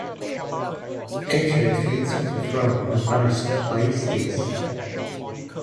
Atreus retook the throne and banished Thyestes.